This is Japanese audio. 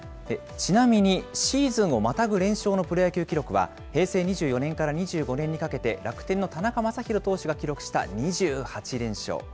ちなみに、シーズンをまたぐ連勝のプロ野球記録は、平成２４年から２５年にかけて、楽天の田中将大投手が記録した２８連勝。